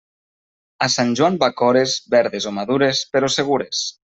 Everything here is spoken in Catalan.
A sant Joan bacores, verdes o madures, però segures.